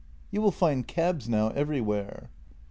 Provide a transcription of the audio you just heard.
"You will find cabs now everywhere."